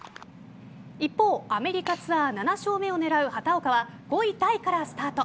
一方アメリカツアー７勝目を狙う畑岡は５位タイからスタート。